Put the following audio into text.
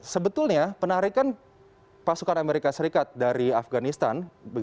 sebetulnya penarikan pasukan amerika serikat dari afganistan